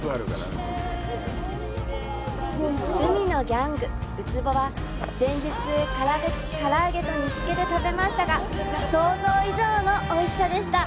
海のギャング、ウツボは前日、唐揚げと煮つけで食べましたが想像以上のおいしさでした！